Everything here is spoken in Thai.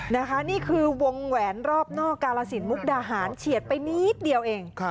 นี่คือวงแหวนรอบนอกกาลสินมุกดาหารเฉียดไปนิดเดียวเอง